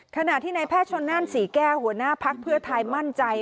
ขณะที่ในแพทย์ชนนั่นศรีแก้หัวหน้าพักเพื่อไทยมั่นใจ